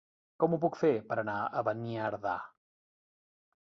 Com ho puc fer per anar a Beniardà?